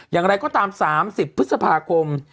อย่างไรก็ตาม๓๐พฤษภาคม